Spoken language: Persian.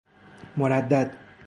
مردد